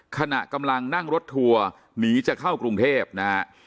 ขณะกำลังนั่งรถทัวร์หนีจะเข้ากรุงเทพนะฮะ